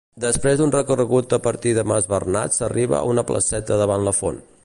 Després d'un recorregut a partir de mas Bernat s'arriba a una placeta davant la font.